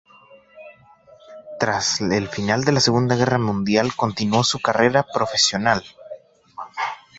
Tras el final de la Segunda Mundial continuó su carrera profesional.